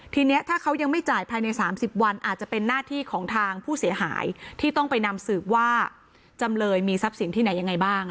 ทีนี้ถ้าเขายังไม่จ่ายภายใน๓๐วันอาจจะเป็นหน้าที่ของทางผู้เสียหายที่ต้องไปนำสืบว่าจำเลยมีทรัพย์สินที่ไหนยังไงบ้าง